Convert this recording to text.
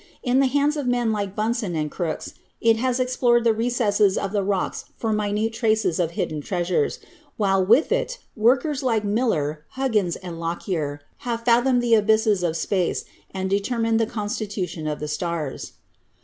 In the hands of men like Bunsen and Crookes it has explored the recesses of the rocks for minute traces of hidden treasures, while with it workers like Miller, Huggins and Lockyer have fathomed the abysses of space and determined the constitution of the stars.